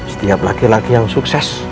setiap laki laki yang sukses